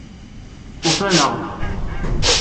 Ufan-aneɣ-d.